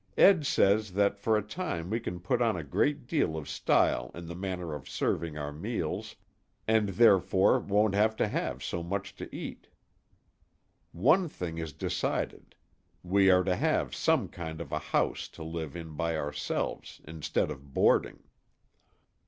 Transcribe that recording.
Ed says that for a time we can put on a great deal of style in the manner of serving our meals, and therefore won't have to have so much to eat. One thing is decided; we are to have some kind of a house to live in by ourselves, instead of boarding.